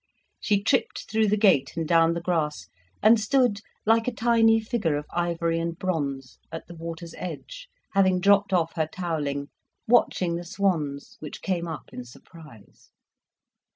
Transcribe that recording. She tripped through the gate and down the grass, and stood, like a tiny figure of ivory and bronze, at the water's edge, having dropped off her towelling, watching the swans, which came up in surprise.